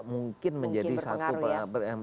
mungkin menjadi satu yang